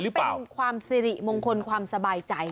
หรือให้ชอบเป็นความสิริมงคลความสบายใจ